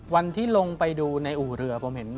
วันที่ลงไปดูในอู่เรือผมเห็น